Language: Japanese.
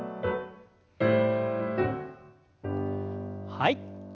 はい。